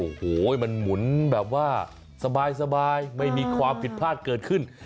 โอ้โหมันหมุนแบบว่าสบายไม่มีความผิดพลาดเกิดขึ้น